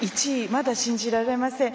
まだ信じられません。